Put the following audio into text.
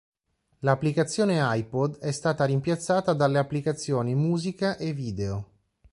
L'applicazione iPod è stata rimpiazzata dalle applicazioni Musica e Video.